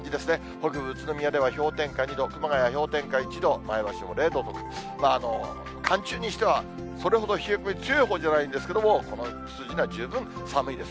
北部、宇都宮では氷点下２度、熊谷氷点下１度、前橋も０度と、寒中にしてはそれほど冷え込み、強いほうじゃないんですけど、この数字では十分寒いです。